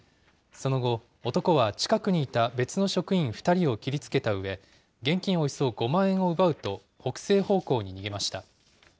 その後、男は近くにいた別の職員２人を切りつけたうえ、現金およそ５万円を奪うと、北西方向に逃げました。